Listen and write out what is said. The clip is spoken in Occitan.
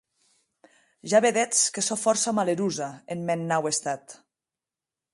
Ja vedetz que sò fòrça malerosa en mèn nau estat.